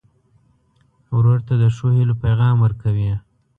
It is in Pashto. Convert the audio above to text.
ورور ته د ښو هيلو پیغام ورکوې.